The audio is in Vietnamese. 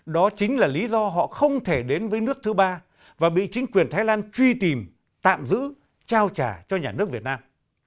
đó chính là lý do họ không thể đến với nước thứ ba và bị chính quyền thái lan truy tìm tạm giữ trao trả cho nhà nước việt nam